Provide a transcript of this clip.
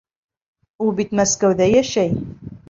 Ул бит Мәскәүҙә йәшәй.